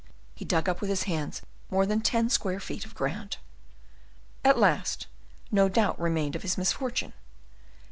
He dug up with his hands more than ten square feet of ground. At last no doubt remained of his misfortune.